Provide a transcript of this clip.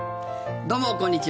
どうもこんにちは。